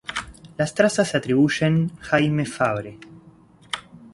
Las trazas se atribuyen Jaime Fabre.